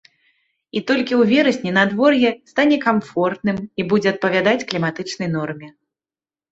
І толькі ў верасні надвор'е стане камфортным і будзе адпавядаць кліматычнай норме.